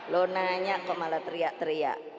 lo nanya kok malah teriak teriak